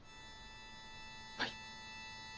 はい。